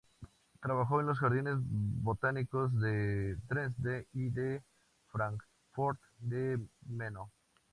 Trabajó en los jardines botánicos de Dresde y de Fráncfort del Meno.